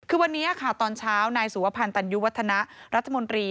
คือวันนี้ค่ะตอนเช้านายสุวพันธ์ตันยุวัฒนะรัฐมนตรี